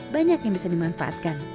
banyak yang bisa dimanfaatkan